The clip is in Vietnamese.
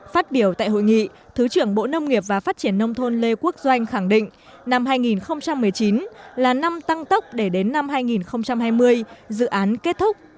phát biểu tại hội nghị thứ trưởng bộ nông nghiệp và phát triển nông thôn lê quốc doanh khẳng định năm hai nghìn một mươi chín là năm tăng tốc để đến năm hai nghìn hai mươi dự án kết thúc